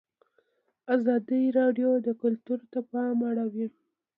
ازادي راډیو د کلتور ته پام اړولی.